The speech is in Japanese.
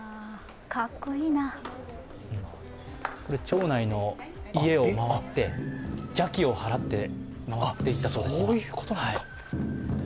町内の家を回って、邪気を払って回っていったそうです。